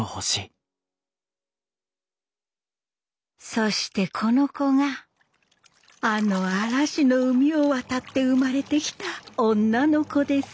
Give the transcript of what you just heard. そしてこの子があの嵐の海を渡って生まれてきた女の子です。